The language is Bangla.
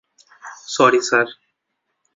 Sorry, sir!